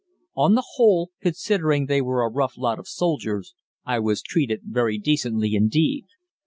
On the whole, considering they were a rough lot of soldiers, I was treated very decently indeed.